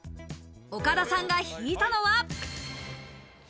岡田さんが引いたのは。